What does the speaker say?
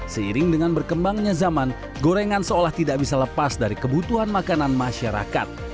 seiring dengan berkembangnya zaman gorengan seolah tidak bisa lepas dari kebutuhan makanan masyarakat